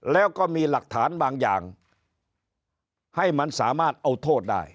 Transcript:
แล้วก็มีหลักฐานบางอย่างให้มันสามารถเอาโทษได้